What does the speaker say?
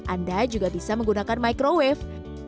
anda juga bisa menggunakan microwave